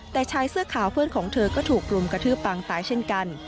แต่ชายเสื้อขาวเพื่อนของเธอก็ถูกรุมกระทืบปางตายเช่นกัน